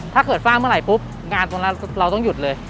ถ้าเกิดสร้างเมื่อไหร่ปุ๊บงานตรงนั้นเราต้องหยุดเลย